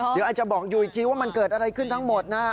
เดี๋ยวอาจจะบอกอยู่อีกทีว่ามันเกิดอะไรขึ้นทั้งหมดนะ